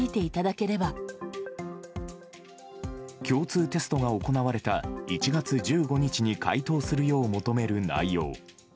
共通テストが行われた１月１５日に解答するよう求める内容。